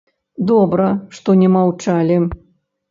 Добра, што не маўчалі.